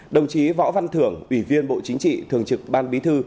đồng chí võ văn thưởng ủy viên bộ chính trị thường trực ban bí thư